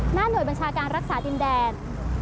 หน้าหน่วยบัญชาการรักษาดินแดน